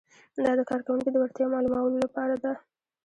دا د کارکوونکي د وړتیا معلومولو لپاره ده.